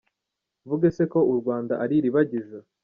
Mvuge se ko u Rwanda ari iribagiza,